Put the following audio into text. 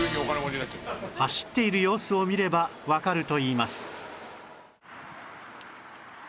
走っている様子を見ればわかるといいます